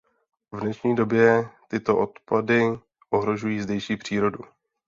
V dnešní době tyto odpady ohrožují zdejší přírodu.